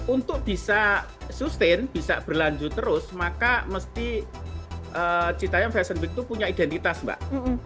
untuk bisa sustain bisa berlanjut terus maka mesti citayam fashion week itu punya identitas mbak